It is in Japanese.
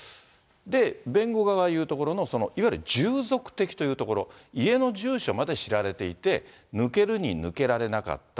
弁護側がいうところのそのいわゆる従属的というところ、家の住所まで知られていて、抜けるに抜けられなかった。